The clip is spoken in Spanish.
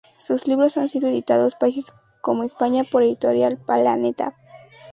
Sus libros han sido editados países como España por Editorial Planeta.